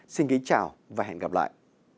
xin kính chào và hẹn gặp lại